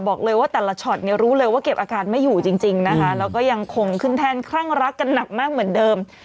บอกเลยว่าแต่ละช็อตเนี่ยรู้เลยว่าเก็บอาการไม่อยู่จริงนะคะแล้วก็ยังคงขึ้นแท่นคลั่งรักกันหนักมากเหมือนเดิม